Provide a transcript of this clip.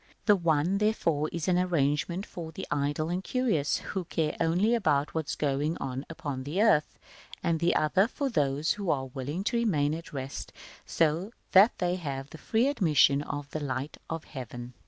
The one, therefore, is an arrangement for the idle and curious, who care only about what is going on upon the earth: the other for those who are willing to remain at rest, so that they have free admission of the light of Heaven.